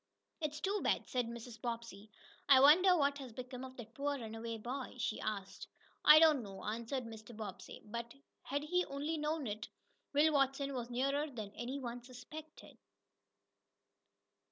"It's too bad," said Mrs. Bobbsey. "I wonder what has become of that poor runaway boy?" she asked. "I don't know," answered Mr. Bobbsey. But, had he only known it, Will Watson was nearer than any one suspected.